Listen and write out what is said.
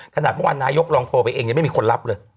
ขนาดว่านายกรองโพลไปเองยังไม่มีคนรับเลย